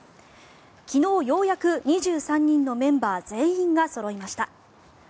昨日、ようやく２３人のメンバー全員がそろいました。